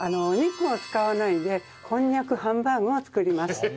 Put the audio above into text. お肉を使わないでこんにゃくハンバーグを作ります。